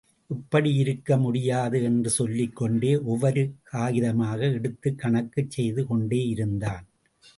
இப்படி யிருக்க முடியாது என்று சொல்லிக் கொண்டே, ஒவ்வொரு காகிதமாக எடுத்துக் கணக்குச் செய்து கொண்டே இருந்தான்.